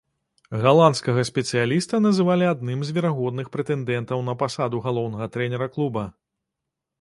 Галандскага спецыяліста называлі адным з верагодных прэтэндэнтаў на пасаду галоўнага трэнера клуба.